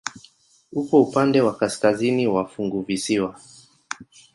Uko upande wa kaskazini wa funguvisiwa.